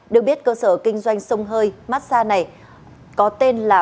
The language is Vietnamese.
được biết cơ sở kinh doanh sông hơi mát xa này có tên là